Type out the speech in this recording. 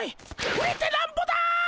売れてなんぼだ！